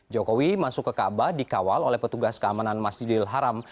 jokowi masuk ke kaabah dikawal oleh petugas keamanan masjidil haram